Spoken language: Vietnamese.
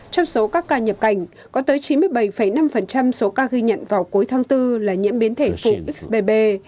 trong số các ca nhập cảnh có tới chín mươi bảy năm số ca ghi nhận vào cuối tháng bốn là nhiễm biến thể phụng xbb